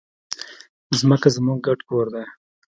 ځمکه زموږ ګډ کور دی.